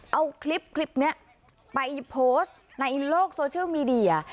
เอาคลิปนี้ไปโพสต์ในโลกโซเชียลมีเดีย